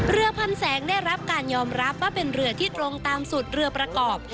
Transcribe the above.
เรือพันแสงได้รับการยอมรับว่าเป็นเรือที่ตรงตามสูตรเรือประกอบ